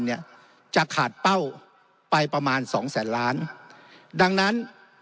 เนี่ยจะขาดเป้าไปประมาณสองแสนล้านดังนั้น